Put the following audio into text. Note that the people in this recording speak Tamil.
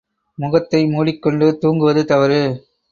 முகத்தை மூடிக் கொண்டு தூங்குவது தவறு.